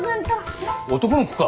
男の子か。